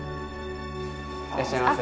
いらっしゃいませ。